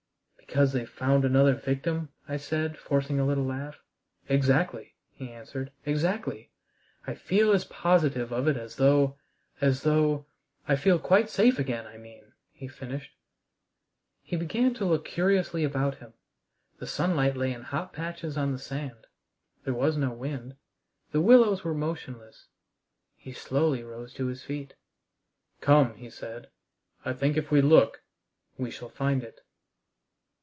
"Because 'They've found another victim'?" I said, forcing a little laugh. "Exactly," he answered, "exactly! I feel as positive of it as though as though I feel quite safe again, I mean," he finished. He began to look curiously about him. The sunlight lay in hot patches on the sand. There was no wind. The willows were motionless. He slowly rose to feet. "Come," he said; "I think if we look, we shall find it."